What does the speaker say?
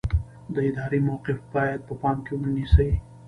د ادارې موقف باید په پام کې ونیسئ.